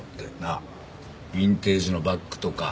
あっビンテージのバッグとか？